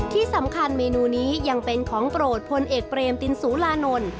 เมนูนี้ยังเป็นของโปรดพลเอกเปรมตินสุรานนท์